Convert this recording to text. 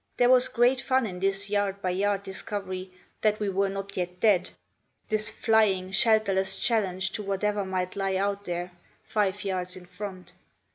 There was great fun in this yard by yard discovery that we were not yet dead, this flying, shelterless challenge to whatever might lie out there, five yards in front.